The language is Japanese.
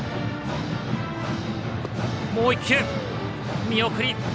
もう１球、見送り。